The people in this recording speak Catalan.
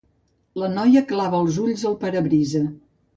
La noia clava els ulls al parabrisa.